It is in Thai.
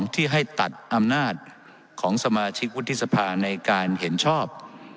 ที่ให้ตัดอำนาจของสมาชิกวุฒิสภาในการเห็นชอบ